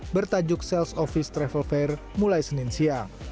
bertajuk sales office travel fair mulai senin siang